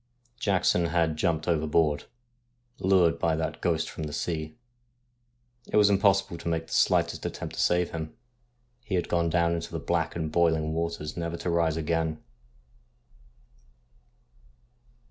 Jackson had jumped overboard, lured by that ghost from the sea. It was impossible to make the slightest attempt to save him ; he had gone down into the black and boiling waters never to rise again.